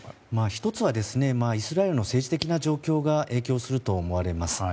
１つはイスラエルの政治的な状況が影響すると思われます。